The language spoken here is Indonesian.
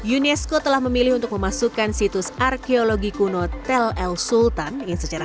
unesco telah memilih untuk memasukkan situs arkeologi kuno tel el sultan yang secara